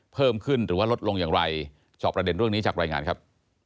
เพิ่มขึ้นหรือว่าลดลงอย่างไรจอบประเด็นเรื่องนี้จากรายงานครับ